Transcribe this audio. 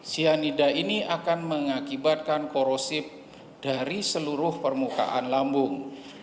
cyanida ini akan mengakibatkan korosip dari seluruh permukaan lambung